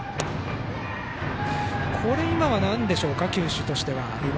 今は何でしょうか球種としては。